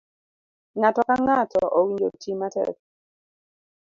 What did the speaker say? Ng'ato ka ng'ato owinjo oti matek.